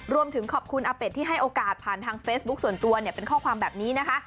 รวมถึงขอบคุณอาเป็ดที่ให้โอกาสผ่านทางเฟซบุ๊คส่วนตัวเนี่ยเป็นข้อความแบบนี้นะคะ